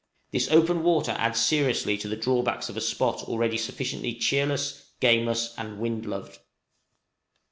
This open water adds seriously to the drawbacks of a spot already sufficiently cheerless, gameless, and "wind loved."